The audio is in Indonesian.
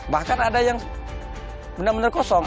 bahkan ada yang benar benar kosong